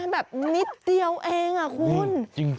แบบนิดเดียวเองคุณ